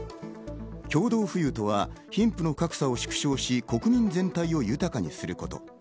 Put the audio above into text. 共同富裕とは貧富の格差を縮小し国民全体を豊かにすること。